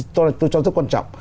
tôi cho rất quan trọng